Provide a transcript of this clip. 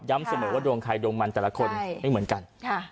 เสมอว่าดวงใครดวงมันแต่ละคนไม่เหมือนกัน